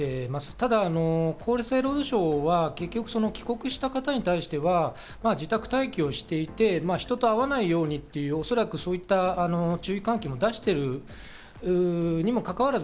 ただ厚生労働省は結局、帰国した方に対しては自宅待機をしていて、人と会わないようにという、恐らくそういった注意喚起を出しているにもかかわらず。